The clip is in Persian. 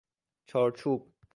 چارچوب